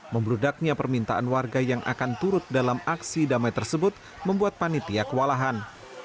membrudaknya permintaan warga yang akan turut dalam aksi damai tersebut membuat panitia kewalahan